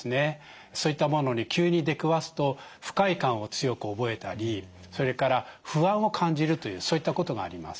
そういったものに急に出くわすと不快感を強く覚えたりそれから不安を感じるというそういったことがあります。